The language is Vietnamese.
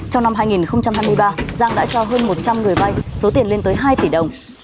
trong năm hai nghìn hai mươi ba giang đã cho hơn một trăm linh người vay số tiền lên tới hai tỷ đồng